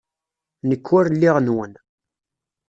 Nekk ur lliɣ nwen.